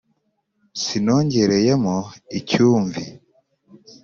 Sinongereyemo icyumvi